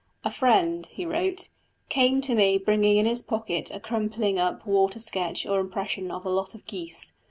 "A friend," he wrote, "came to me bringing in his pocket a crumpled up water sketch or impression of a lot of geese.